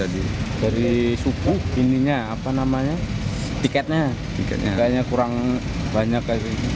dari suku tiketnya kurang banyak